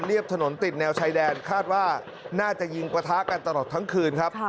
ถนนติดแนวชายแดนคาดว่าน่าจะยิงประทะกันตลอดทั้งคืนครับ